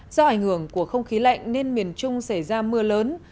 do ảnh hưởng của không khí lạnh nên miền trung xảy ra mưa lớn